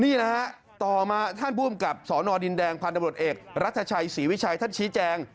นี่นะฮะต่อมาท่านผู้อำกับสนดินแดงพันธบรวจเอกรัฐชัยศรีวิชัยท่านชี้แจง